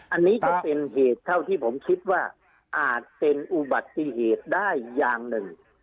อันนี้จะเป็นเหตุเท่าที่ผมคิดว่าอาจเป็นอุบัติเหตุได้อย่างหนึ่ง